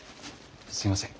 すいません。